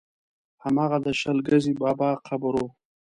هماغه د شل ګزي بابا قبر و.